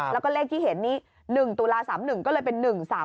แล้วก็เลขที่เห็นนี่๑ตุลา๓๑ก็เลยเป็น๑๓